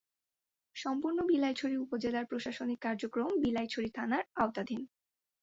সম্পূর্ণ বিলাইছড়ি উপজেলার প্রশাসনিক কার্যক্রম বিলাইছড়ি থানার আওতাধীন।